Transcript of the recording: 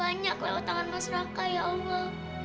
banyak lewat tangan masyarakat ya allah